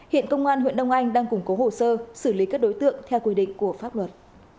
hiện công an huyện đông anh đang củng cố hồ sơ xử lý các đối tượng theo quy định của pháp luật